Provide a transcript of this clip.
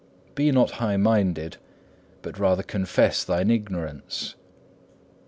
Be not high minded, but rather confess thine ignorance.